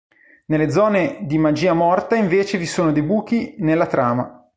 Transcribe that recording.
Nelle zone di magia morta invece vi sono dei buchi nella Trama.